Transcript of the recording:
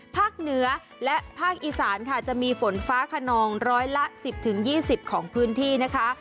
ภาคเหนือและภาคอีสานค่ะจะมีฝนฟ้าขนองร้อยละ๑๐๒๐ของพื้นที่นะคะ